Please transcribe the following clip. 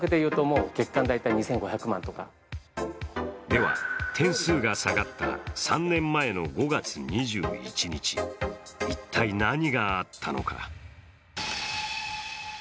では、点数が下がった３年前の５月２１日一体何があったのか？